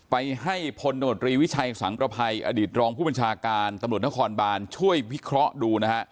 ไปให้พลตมตรีวิชัยสังประภัยอดีตรองผู้บัญชาการตำรวจนครบานช่วยวิเคราะห์ดูนะฮะ